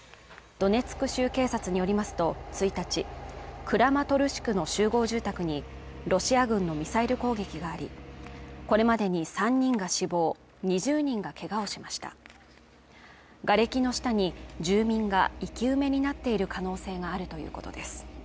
ドネツク州警察によりますと１日クラマトルシクの集合住宅にロシア軍のミサイル攻撃がありこれまでに３人が死亡２０人がけがをしましたがれきの下に住民が生き埋めになっている可能性があるということです